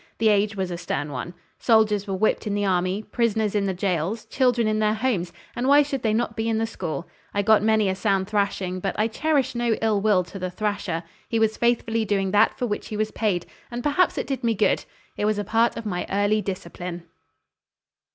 The age was a stern one. Soldiers were whipped in the army, prisoners in the jails, children in their homes, and why should they not be in the school? I got many a sound thrashing, but I cherish no ill will to the thrasher. He was faithfully doing that for which he was paid, and perhaps it did me good. It was a part of my early discipline."